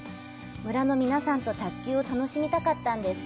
村の皆さんと卓球を楽しみたかったんです！